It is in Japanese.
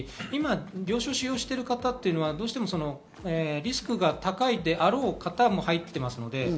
今、病床を使用している方はどうしてもリスクが高いであろう方も入っています。